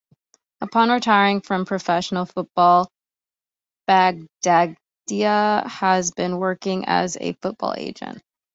Upon retiring from professional football, Babangida has been working as a football agent.